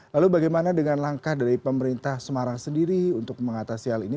lalu bagaimana dengan langkah dari pemerintah semarang sendiri untuk mengatasi hal ini